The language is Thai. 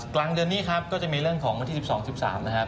กลางเดือนนี้ครับก็จะมีเรื่องของวันที่๑๒๑๓นะครับ